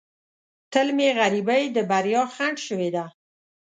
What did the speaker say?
تل مې غریبۍ د بریا خنډ شوې ده.